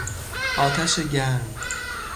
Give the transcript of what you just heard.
آتش گرم